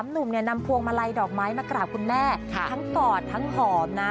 หนุ่มนำพวงมาลัยดอกไม้มากราบคุณแม่ทั้งกอดทั้งหอมนะ